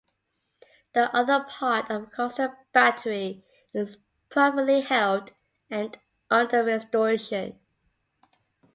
The other part of the Coastal Battery is privately held and under restoration.